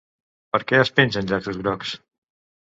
Per què es pengen llaços grocs?